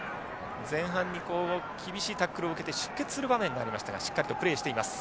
前半に厳しいタックルを受けて出血する場面がありましたがしっかりとプレーしています。